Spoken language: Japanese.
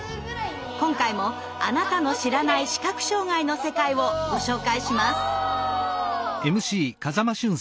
今回もあなたの知らない視覚障害の世界をご紹介します！